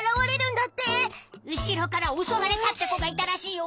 うしろからおそわれたってこがいたらしいよ。